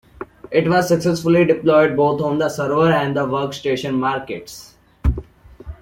It was successfully deployed both on the server and the workstation markets.